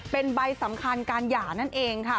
เป็นใบสำคัญการหย่านั่นเองค่ะ